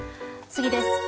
次です。